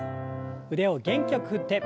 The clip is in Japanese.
腕を元気よく振って。